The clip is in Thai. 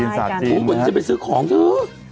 มูกลุ่มจะไปซื้อของเถอะ